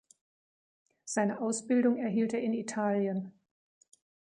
Seine Ausbildung erhielt er in Italien.